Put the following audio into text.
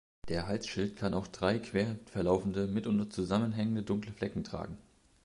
Der Halsschild kann auch drei quer verlaufende, mitunter zusammenhängende dunkle Flecken tragen.